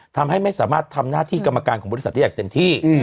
ทำให้ไม่สามารถทำหน้าที่กรรมการของบริษัทได้อย่างเต็มที่